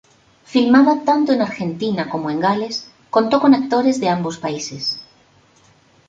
Filmada tanto en Argentina como en Gales, contó con actores de ambos países.